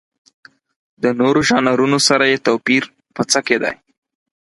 د نورو ژانرونو سره یې توپیر په څه کې دی؟